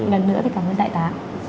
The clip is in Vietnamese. lần nữa thì cảm ơn đại tá